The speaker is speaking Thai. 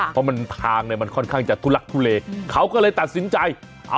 เพราะมันทางเนี่ยมันค่อนข้างจะทุลักทุเลเขาก็เลยตัดสินใจเอา